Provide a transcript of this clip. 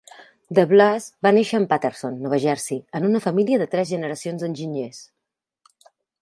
De Blois va néixer en Paterson, Nova Jersey, en una família de tres generacions d'enginyers.